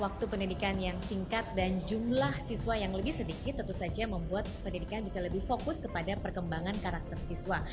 waktu pendidikan yang singkat dan jumlah siswa yang lebih sedikit tentu saja membuat pendidikan bisa lebih fokus kepada perkembangan karakter siswa